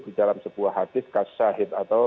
di dalam sebuah hadis khas syahid atau